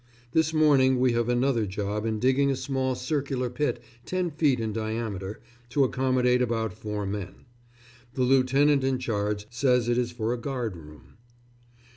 _ This morning we have another job in digging a small circular pit ten feet in diameter, to accommodate about four men.... The lieutenant in charge says it is for a guard room....